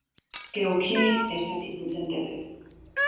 გეოქიმიის ერთ-ერთი ფუძემდებელი.